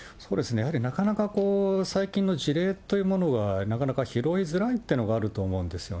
やはりなかなか最近の事例というものがなかなか拾いづらいというのがあると思うんですよね。